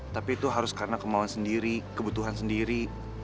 tapi itu harus karena kemauan sendiri kebutuhan sendiri